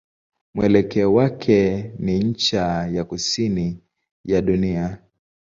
Mwelekeo wake ni ncha ya kusini ya dunia.